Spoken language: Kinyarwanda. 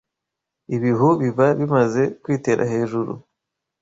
Ibihu biba bimaze kwitera hejuru